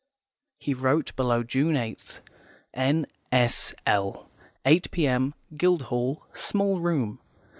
He wrote below June 8th, "N.S.L., 8 p.m., Guildhall, small room."